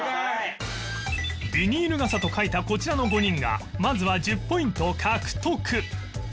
ビニール傘と書いたこちらの５人がまずは１０ポイント獲得